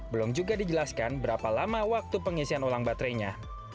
belum juga dijelaskan berapa lama waktu pengisian ulang baterainya